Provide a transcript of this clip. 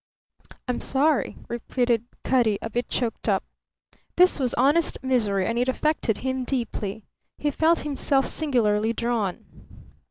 "I'm sorry," repeated Cutty, a bit choked up. This was honest misery and it affected him deeply. He felt himself singularly drawn.